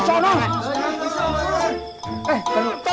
kebanyakan tm e